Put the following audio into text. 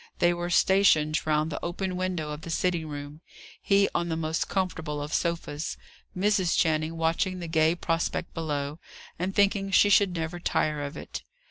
They were stationed round the open window of the sitting room, he on the most comfortable of sofas, Mrs. Channing watching the gay prospect below, and thinking she should never tire of it.